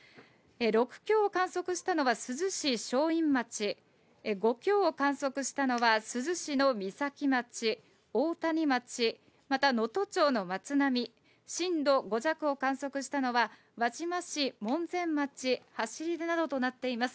６強を観測したのは珠洲市正院町、５強を観測したのは珠洲市のみさき町、おおたに町、また能登町のまつなみ、震度５弱を観測したのは輪島市、門前町走出などとなっています。